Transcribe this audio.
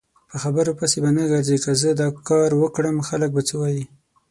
په خبرو پسې به نه ګرځی که زه داکاروکړم خلک به څه وایي؟